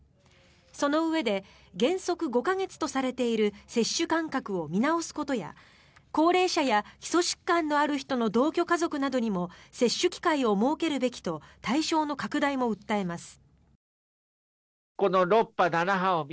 そのうえで原則５か月とされている接種間隔を見直すことや高齢者や基礎疾患のある人の同居家族などにも接種機会を設けるべきと対象の拡大も訴えます。